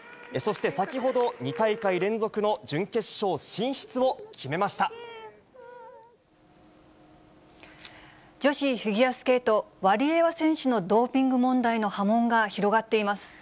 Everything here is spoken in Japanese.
そして先ほど、２大会連続の準決女子フィギュアスケート、ワリエワ選手のドーピング問題の波紋が広がっています。